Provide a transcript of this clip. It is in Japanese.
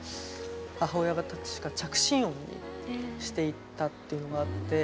母親が確か着信音にしていたっていうのがあって。